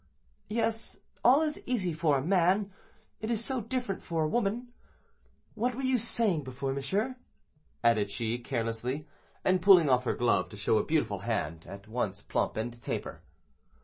"Yes, all is easy for a man; it is so different for a woman. What were you saying before, monsieur?" added she, carelessly, and pulling off her glove to show a beautiful hand, at once plump and taper.